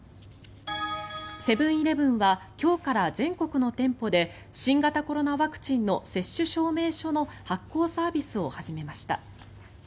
セブン−イレブンは今日から全国の店舗で新型コロナワクチンの接種証明書の発行サービスを始めました。